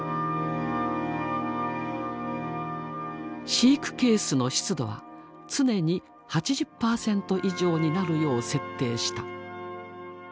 飼育ケースの湿度は常に８０％以上になるよう設定した。